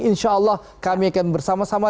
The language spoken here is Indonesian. insya allah kami akan bersama sama